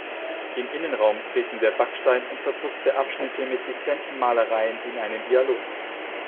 Im Innenraum treten der Backstein und verputzte Abschnitte mit dezenten Malereien in einen Dialog.